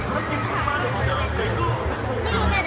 วันนี้ก็เป็นปีนี้